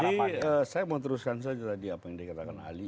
tapi saya mau teruskan saja tadi apa yang dikatakan ali